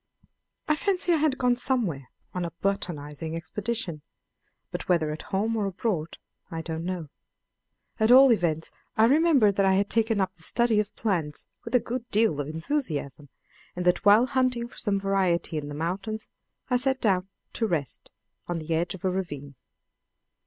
I fancy I had gone somewhere on a botanizing expedition, but whether at home or abroad I don't know. At all events, I remember that I had taken up the study of plants with a good deal of enthusiasm, and that while hunting for some variety in the mountains I sat down to rest on the edge of a ravine.